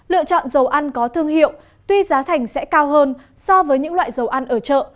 lựa chọn dầu ăn có thương hiệu tuy giá thành sẽ cao hơn so với những loại dầu ăn ở chợ